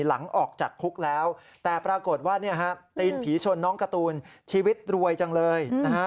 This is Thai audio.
หลังจากออกจากคุกแล้วแต่ปรากฏว่าตีนผีชนน้องการ์ตูนชีวิตรวยจังเลยนะฮะ